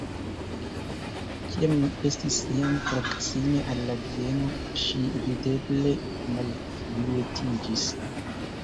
Kiam ni estis jam proksime al la bieno, ŝi, videble, malkvietiĝis.